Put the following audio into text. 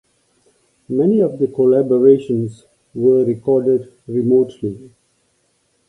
Many of the collaborations were recorded remotely.